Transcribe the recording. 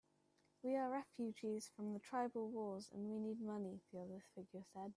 "We're refugees from the tribal wars, and we need money," the other figure said.